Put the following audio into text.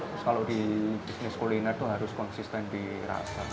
terus kalau di bisnis kuliner itu harus konsisten dirasa